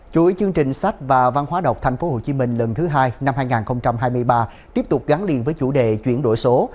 chuỗi chương trình sách và văn hóa đọc tp hcm lần thứ hai năm hai nghìn hai mươi ba tiếp tục gắn liền với chủ đề chuyển đổi số